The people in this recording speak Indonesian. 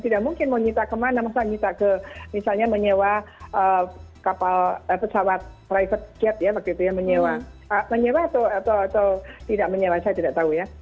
tidak mungkin mau nyita kemana misalnya menyewa pesawat private jet ya menyewa atau tidak menyewa saya tidak tahu ya